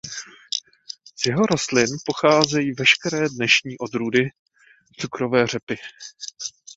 Z jeho rostlin pocházejí veškeré dnešní odrůdy cukrové řepy.